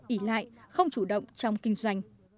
ỉ lại không chủ động trong kinh doanh